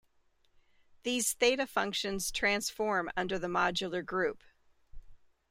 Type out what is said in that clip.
These theta functions transform under the modular group.